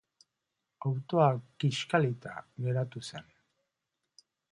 Autoa kiskalita geratu zen.